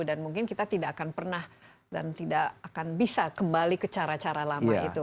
dan mungkin kita tidak akan pernah dan tidak akan bisa kembali ke cara cara lama itu